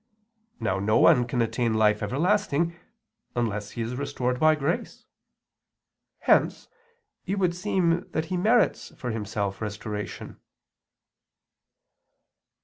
Now no one can attain life everlasting unless he is restored by grace. Hence it would seem that he merits for himself restoration.